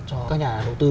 cho các nhà đầu tư